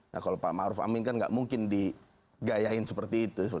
nah kalau pak maruf amin kan gak mungkin digayain seperti itu